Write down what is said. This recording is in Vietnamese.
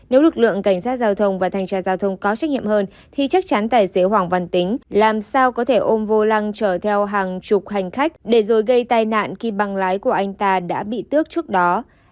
nếu lực lượng cảnh sát giao thông và thanh tra giao thông có trách nhiệm hơn thì chắc chắn tài xế hoàng văn tính làm sao có thể ôm vô lăng chở theo hàng chục hành khách để rồi gây tai nạn khi băng lái của anh ta đã bị tước trước đó